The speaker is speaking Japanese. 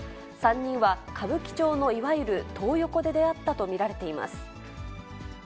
３人は歌舞伎町のいわゆるトー横で出会ったと見られています。